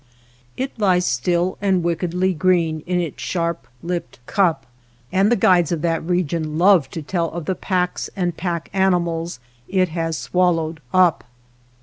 It lies still and wickedly green in its sharp 207 WATER BORDERS lipped cup, and the guides of that region love to tell of the packs and pack animals it has swallowed up.